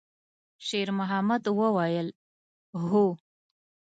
شېرمحمد وویل: «هو.»